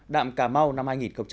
đạm cà mau năm hai nghìn hai mươi